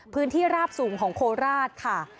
พื้นที่ราบสูงของโคลราศค่ะ